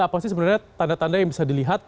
apa sih sebenarnya tanda tanda yang bisa dilihat